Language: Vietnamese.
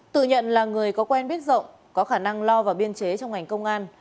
tự nhận là người có quen biết rộng có khả năng lo vào biên chế trong ngành công an